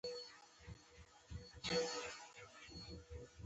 د غرۀ څُوكه چې اواره شان وي هغې ته څپرے وائي۔